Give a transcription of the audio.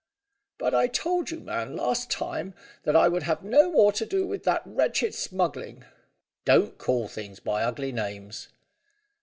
"But I told you, man, last time, that I would have no more to do with that wretched smuggling." "Don't call things by ugly names."